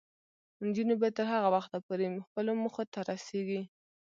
نجونې به تر هغه وخته پورې خپلو موخو ته رسیږي.